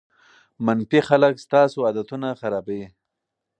منفي خلک ستاسو عادتونه خرابوي.